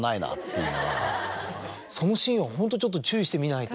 そのシーンをホントちょっと注意して見ないと。